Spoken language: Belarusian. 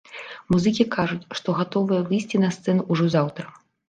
Музыкі кажуць, што гатовыя выйсці на сцэну ўжо заўтра.